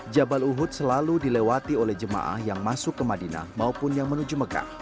jabal uhud selalu dilewati oleh jemaah yang masuk ke madinah maupun yang menuju mekah